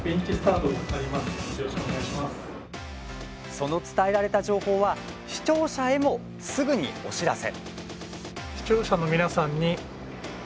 その伝えられた情報は視聴者へも、すぐにお知らせ。